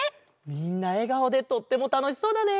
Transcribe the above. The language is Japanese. みんなえがおでとってもたのしそうだね。